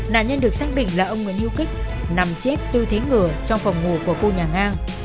nạn nhân được xác định là ông nguyễn hữu kích nằm chết tư thế ngựa trong phòng ngủ của cô nhà ngang